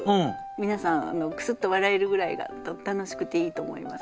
皆さんクスッと笑えるぐらいが楽しくていいと思います。